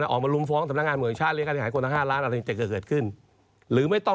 ก็ออกมารุมฟ้องตำราคมรั่งงาน